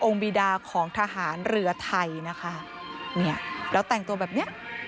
บีดาของทหารเรือไทยนะคะเนี่ยแล้วแต่งตัวแบบเนี้ย